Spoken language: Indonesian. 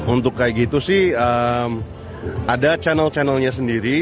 untuk kayak gitu sih ada channel channelnya sendiri